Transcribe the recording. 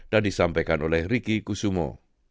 dan disampaikan oleh riki kusumo